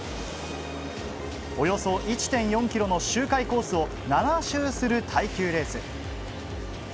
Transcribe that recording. およそ１．４ｋｍの周回コースを７周する耐久レース。